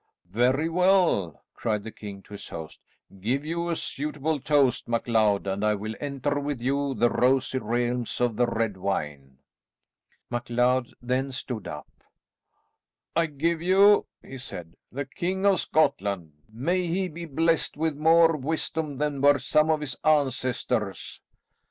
"Very well," cried the king to his host; "give you a suitable toast, MacLeod, and I will enter with you the rosy realms of the red wine." MacLeod then stood up. "I give you," he said, "the King of Scotland. May he be blest with more wisdom than were some of his ancestors!"